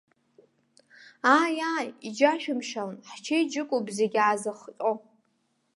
Ааи, ааи, иџьашәымшьалан, ҳчеиџьыкоуп зегьы аазыхҟьо.